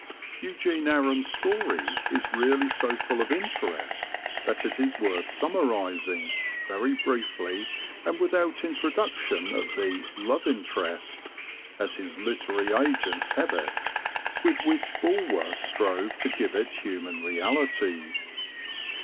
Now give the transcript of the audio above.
Eugene Aram's story is really so full of interest that it is worth summarizing, very briefly and without introduction of the "love interest" (as his literary agents have it) with which Bulwer strove to give it human reality.